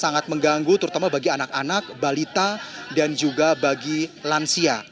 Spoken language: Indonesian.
sangat mengganggu terutama bagi anak anak balita dan juga bagi lansia